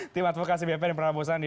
tim advokasi bpn pranabosandi